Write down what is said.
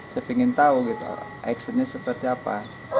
saya ingin tahu gitu actionnya seperti apa